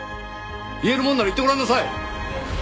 言えるもんなら言ってごらんなさい！